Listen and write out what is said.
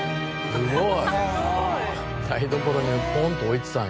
すごい。